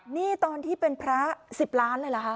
นี่ตอนที่เป็นพระ๑๐ล้านเลยเหรอคะ